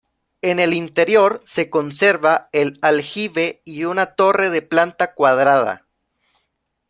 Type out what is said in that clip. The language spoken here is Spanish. En el interior se conserva el aljibe y una torre de planta cuadrada.